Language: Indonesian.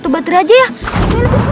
dan bersama mereka sudah keportsire